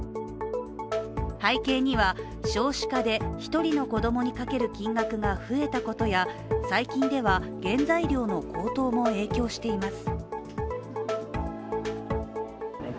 背景には、少子化で一人の子供にかける金額が増えたことや、最近では原材料の高騰も影響しています。